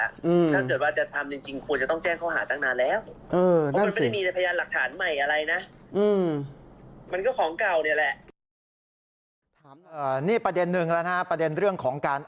ถ้าเกิดว่าจะทำจริงจริงควรจะต้องแจ้งเขาหาตั้งนานแล้ว